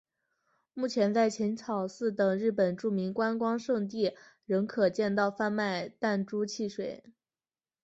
目前在浅草寺等日本著名观光胜地仍可见到贩卖弹珠汽水。